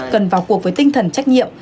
cần vào cuộc với tinh thần trách nhiệm